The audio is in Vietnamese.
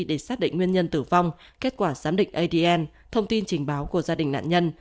để xác định nguyên nhân tử vong kết quả giám định adn thông tin trình báo của gia đình nạn nhân